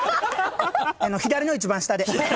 左の一番下で。